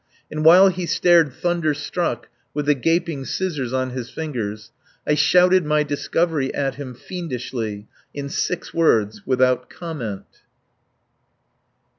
And while he stared thunderstruck, with the gaping scissors on his fingers, I shouted my discovery at him fiendishly, in six words, without comment.